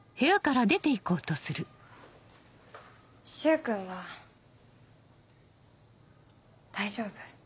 柊君は大丈夫？